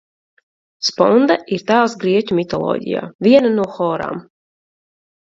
Sponde ir tēls grieķu mitoloģijā, viena no horām.